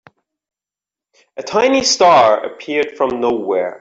A tiny star appeared from nowhere.